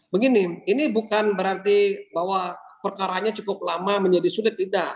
begini ini bukan berarti bahwa perkaranya cukup lama menjadi sulit tidak